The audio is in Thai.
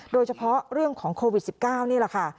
โดยเฉพาะเรื่องของโควิด๑๙นี่แหละค่ะ